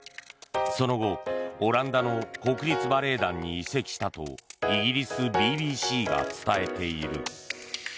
その後、オランダの国立バレエ団に移籍したとイギリスＢＢＣが伝えている。